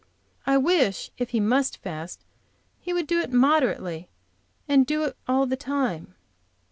I wish, if he must fast, he would do it moderately, and do it all the time.